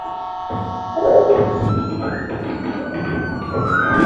زده کړه نجونو ته د عزت نفس ورکوي.